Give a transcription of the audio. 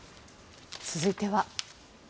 続いては。